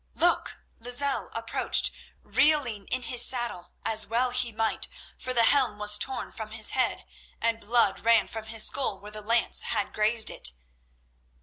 Look! Lozelle approached, reeling in his saddle, as well he might, for the helm was torn from his head and blood ran from his skull where the lance had grazed it.